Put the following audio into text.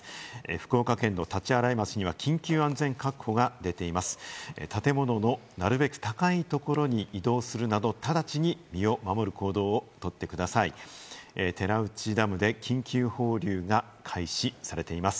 福岡県の大刀洗町には緊急安全確保が出ています。